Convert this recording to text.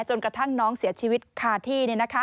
จนกระทั่งน้องเสียชีวิตคาที่